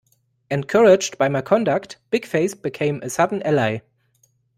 Encouraged by my conduct, Big-Face became a sudden ally.